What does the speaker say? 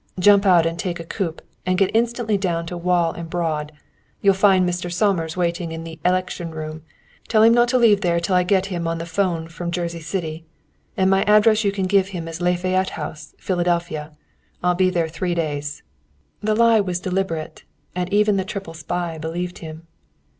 "Jump out and take a coupe, and get instantly down to Wall and Broad. You'll find Mr. Somers waiting in the election room. Tell him not to leave there till I get him on the 'phone from Jersey City. And my address you can give him as Lafayette House, Philadelphia. I'll be there three days." The lie was deliberate, and even the triple spy believed him.